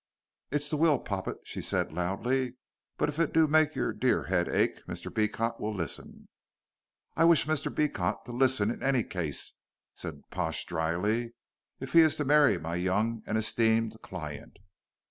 "It's the will, poppet," she whispered loudly, "but if it do make your dear head ache Mr. Beecot will listen." "I wish Mr. Beecot to listen in any case," said Pash, dryly, "if he is to marry my young and esteemed client."